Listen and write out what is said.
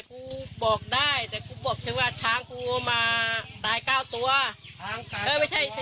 กูบอกได้แต่กูบอกฉันว่าช้างกูมาตายเก้าตัวเออไม่ใช่ไม่ใช่